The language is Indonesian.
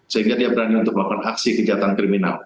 sehingga dia berani untuk melakukan aksi kejahatan kriminal